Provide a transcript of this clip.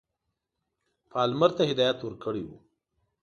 پالمر ته هدایت ورکړی وو.